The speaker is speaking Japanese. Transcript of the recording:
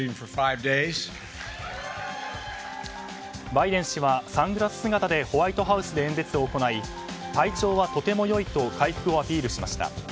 バイデン氏はサングラス姿でホワイトハウスで演説を行い体調はとても良いと回復をアピールしました。